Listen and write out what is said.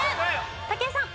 武井さん。